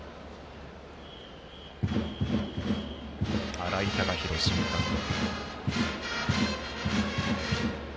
新井貴浩新監督。